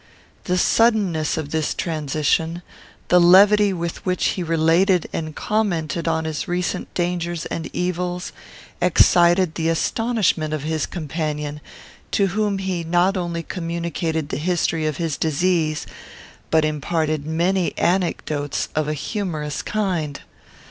The suddenness of this transition; the levity with which he related and commented on his recent dangers and evils, excited the astonishment of his companion, to whom he not only communicated the history of his disease, but imparted many anecdotes of a humorous kind.